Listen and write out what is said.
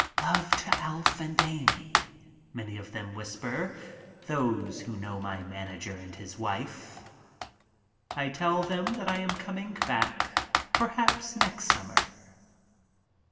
"Love to Alf and Amy," many of them whisper, those who know my manager and his wife. I tell them that I am coming back, perhaps next summer.